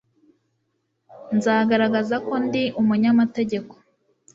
Nzagaragaza ko ndi umunyamategeko.